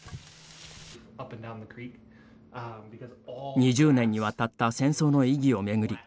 ２０年にわたった戦争の意義を巡り